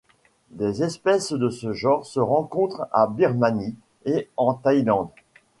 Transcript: Les espèces de ce genre se rencontrent en Birmanie et en Thaïlande.